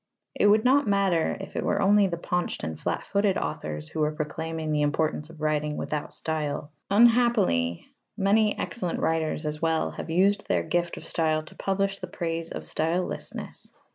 It would not matter if it were only the paunched and flat footed authors who were proclaiming the importance of writing without style. Unhappily, many excellent writers as well have used their gift of style to publish the praise of stylelessness.